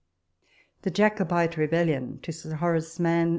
... THE JACOBITE RE BELLI OX. To Sir Horac e Mann.